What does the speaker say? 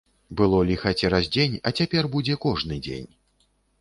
Было ліха цераз дзень, а цяпер будзе кожны дзень!